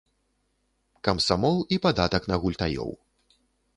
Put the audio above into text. Камсамол і падатак на гультаёў.